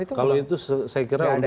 itu kalau itu saya kira